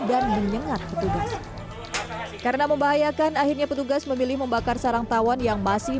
dan menyengat petugas karena membahayakan akhirnya petugas memilih membakar sarang tawon yang masih